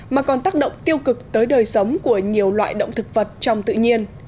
mà còn tác động tiêu cực tới đời sống của nhiều loại động thực vật trong tự nhiên